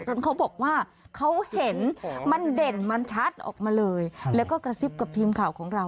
เขาบอกว่าเขาเห็นมันเด่นมันชัดออกมาเลยแล้วก็กระซิบกับทีมข่าวของเรา